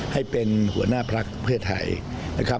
ให้เป็นหัวหน้าพลักษณ์เพศไทยนะครับ